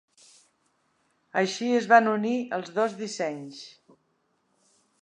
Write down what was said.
Així es van unir els dos dissenys.